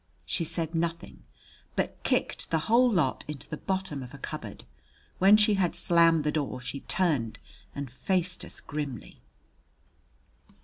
She said nothing, but kicked the whole lot into the bottom of a cupboard. When she had slammed the door, she turned and faced us grimly.